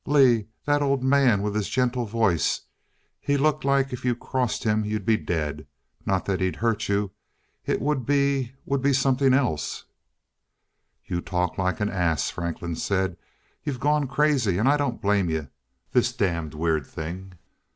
Lee that old man with his gentle voice he looked like if you crossed him you'd be dead. Not that he'd hurt you it would be would be something else " "You talk like an ass," Franklin said. "You've gone crazy and I don't blame you this damned weird thing.